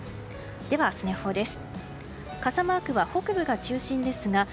では、明日の予報です。